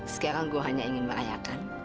sekarang gue hanya ingin merayakan